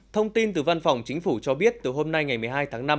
thông tin từ văn phòng chính phủ cho biết từ hôm nay ngày một mươi hai tháng năm